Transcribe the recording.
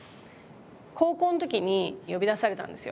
高校の時に呼び出されたんですよ